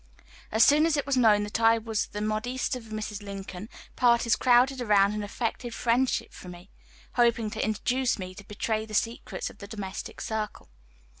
As soon as it was known that I was the modiste of Mrs. Lincoln, parties crowded around and affected friendship for me, hoping to induce me to betray the secrets of the domestic circle.